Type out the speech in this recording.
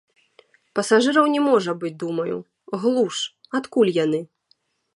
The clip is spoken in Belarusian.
Пасажыраў не можа быць, думаю, глуш, адкуль яны.